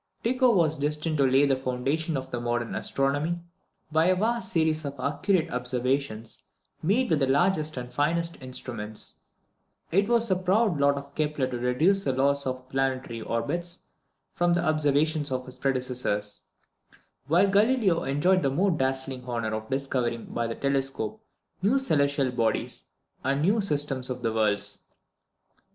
Tycho was destined to lay the foundation of modern astronomy, by a vast series of accurate observations made with the largest and the finest instruments; it was the proud lot of Kepler to deduce the laws of the planetary orbits from the observations of his predecessors; while Galileo enjoyed the more dazzling honour of discovering by the telescope new celestial bodies, and new systems of worlds.